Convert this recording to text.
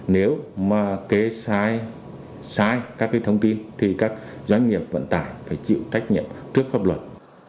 nếu mà kê sai các cái thông tin thì các doanh nghiệp vận tải phải chịu trách nhiệm trước pháp luật